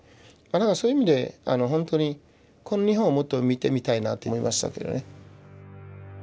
そういう意味であのほんとにこの日本をもっと見てみたいなって思いましたけどね。